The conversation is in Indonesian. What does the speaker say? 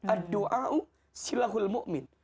ad do'au silahul mu'min